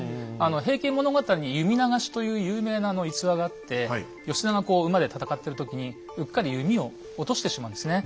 「平家物語」に「弓流し」という有名な逸話があって義経がこう馬で戦ってる時にうっかり弓を落としてしまうんですね。